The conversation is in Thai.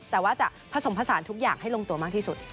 แต่ว่าจะผสมผสานทุกอย่างให้ลงตัวมากที่สุด